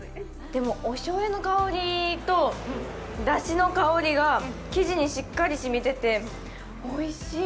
でも、おしょうゆの香りと出汁の香りが生地にしっかりしみてて、おいしい！